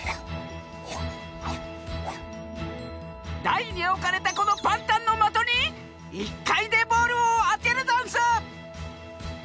だいにおかれたこのパンタンのまとに１かいでボールをあてるざんす！